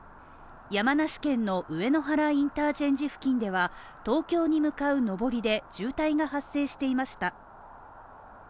山梨県の上野原インターチェンジ付近では東京に向かう上りで渋滞が発生していました